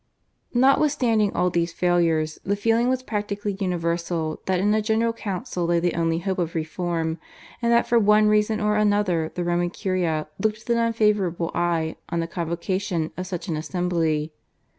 Notwithstanding all these failures the feeling was practically universal that in a General Council lay the only hope of reform, and that for one reason or another the Roman Curia looked with an unfavourable eye on the convocation of such an assembly.